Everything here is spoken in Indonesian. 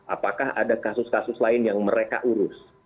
apakah ada kasus kasus lain yang mereka urus